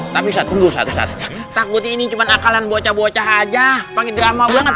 tapi satu satu takut ini cuma akalan bocah bocah aja panggil drama banget